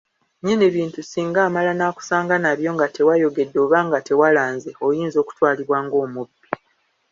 Nnyini bintu singa amala n’akusanga nabyo nga tewayogedde oba nga tewalanze, oyinza okutwalibwa ng’omubbi.